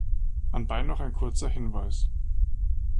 Anbei noch ein kurzer Hinweis.